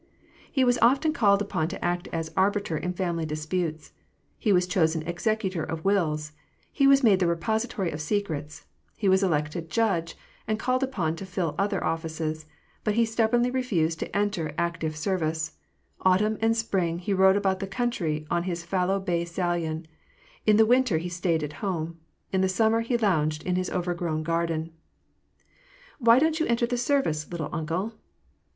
He was often called upon to act as arbiter in family disputes, he was chosen execu tor of wills, he was made the repository of secrets, he was elected judge, and called upon to fill other offices ; but he stub bornly refused to enter active service: autumn and spring he rode about the country on his fallow bay stallion ; in the winter he staid at home ; in the summer he lounged in his overgrown garden. "Why don't you enter the service, * little uncle'